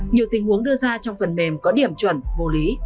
nhiều tình huống đưa ra trong phần mềm có điểm chuẩn vô lý